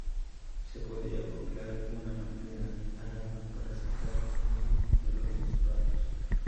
Se podía acoplar una manguera al arma para sacar el humo de los disparos.